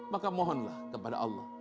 maka mohonlah kepada allah